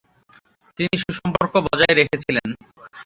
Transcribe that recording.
তিনি সুসম্পর্ক বজায় রেখেছিলেন।